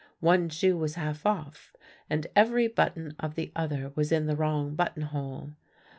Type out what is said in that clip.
One shoe was half off, and every button of the other was in the wrong button hole.